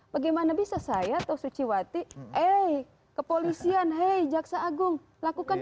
bagaimana bisa saya atau suciwati kepolisian jaksa agung lakukan